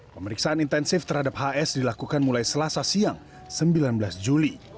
pemeriksaan intensif terhadap hs dilakukan mulai selasa siang sembilan belas juli